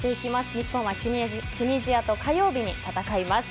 日本はチュニジアと火曜日に戦います。